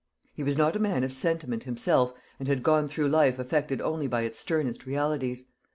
He was not a man of sentiment himself, and had gone through life affected only by its sternest realities.